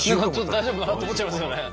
大丈夫かなと思っちゃいますよね。